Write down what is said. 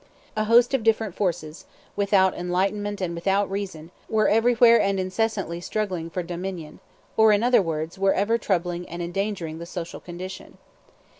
A host of different forces, without enlightenment and without restraint, were everywhere and incessantly struggling for dominion, or, in other words, were ever troubling and endangering the social condition.